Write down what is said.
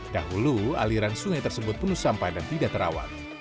dahulu aliran sungai tersebut penuh sampah dan tidak terawat